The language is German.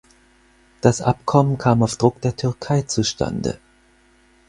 Das Abkommen kam auf Druck der Türkei zustande.